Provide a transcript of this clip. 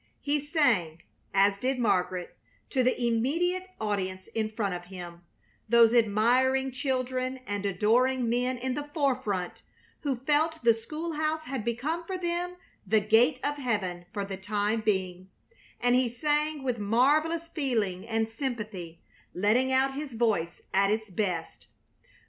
He sang, as did Margaret, to the immediate audience in front of him, those admiring children and adoring men in the forefront who felt the school house had become for them the gate of heaven for the time being; and he sang with marvelous feeling and sympathy, letting out his voice at its best.